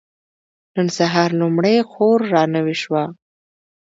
نن سهار لومړۍ خور را نوې شوه.